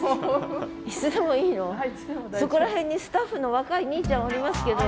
そこら辺にスタッフの若いにいちゃんおりますけど。